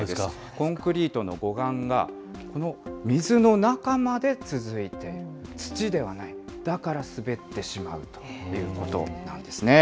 コンクリートの護岸が、この水の中まで続いている、土ではない、だから滑ってしまうということなんですね。